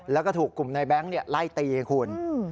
แล้วก็ถูกกลุ่มในแบงค์ไล่ตีไงคุณ